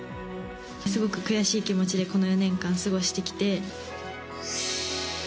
すごく悔しい気持ちでこの４年間過ごしてきて。